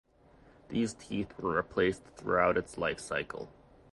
These teeth were replaced throughout its life cycle.